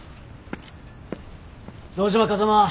堂島風間。